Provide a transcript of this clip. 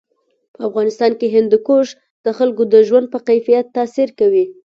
په افغانستان کې هندوکش د خلکو د ژوند په کیفیت تاثیر کوي.